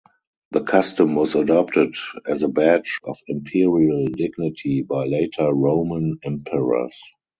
The custom was adopted as a badge of imperial dignity by later Roman emperors.